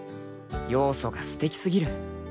［要素がすてきすぎる］